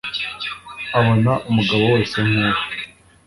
abona umugabo wese nkuwe